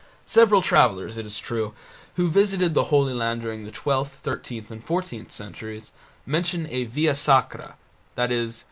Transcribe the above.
Several travellers, it is true, who visited the Holy Land during the twelfth, thirteenth, and fourteenth centuries, mention a "Via Sacra", i.e.